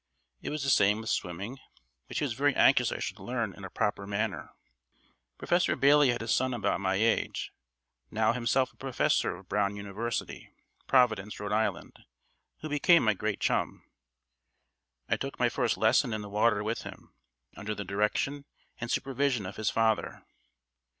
It was the same with swimming, which he was very anxious I should learn in a proper manner. Professor Bailey had a son about my age, now himself a professor of Brown University, Providence, Rhode Island, who became my great chum. I took my first lesson in the water with him, under the direction and supervision of his father.